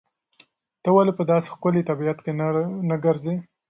ته ولې په داسې ښکلي طبیعت کې نه ګرځې؟